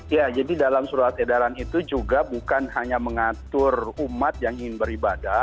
ya jadi dalam surat edaran itu juga bukan hanya mengatur umat yang ingin beribadah